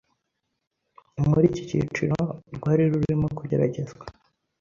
Muri iki cyiciro rwari rurimo kugeragerezwa